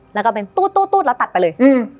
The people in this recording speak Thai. แล้วก็เป็นตู้ดแล้วตัดไปเลย